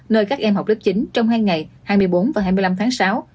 nơi các em học lớp chín trong hai ngày hai mươi bốn và hai mươi năm tháng sáu